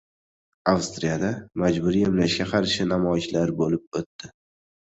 Avstriyada majburiy emlashga qarshi namoyishlar bo`lib o`tdi